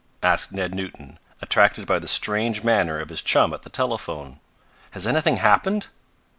asked Ned Newton, attracted by the strange manner of his chum at the telephone. "Has anything happened?"